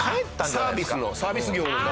サービスのサービス業の側が。